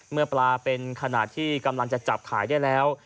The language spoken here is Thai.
เมื่อปลาเป็นขนาดที่กำลังจะจับขายได้แล้ว